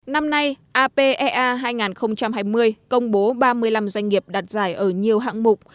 năm nay apea hai nghìn hai mươi công bố ba mươi năm doanh nghiệp đặt giải ở nhiều hạng mục